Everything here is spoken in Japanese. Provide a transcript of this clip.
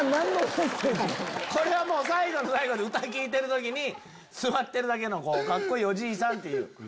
これはもう最後の最後で、歌聴いてるときに、座ってるだけのかっこいいおじいさんっていう。